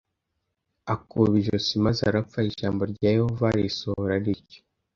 akuba ijosi maze arapfa Ijambo rya Yehova risohora rityo